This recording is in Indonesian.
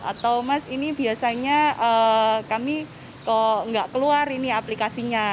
atau mas ini biasanya kami kok nggak keluar ini aplikasinya